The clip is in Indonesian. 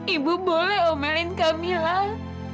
ibu boleh omelin kamilah